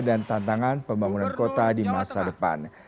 dan tantangan pembangunan kota di masa depan